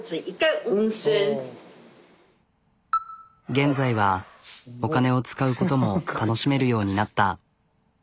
現在はお金を使うことも楽しめるようになった。